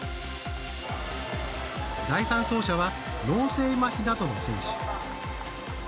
第３走者は、脳性まひなどの選手。